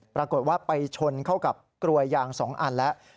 ปรากฏว่าไปชนเข้ากับกลวยยาง๒อันแล้ว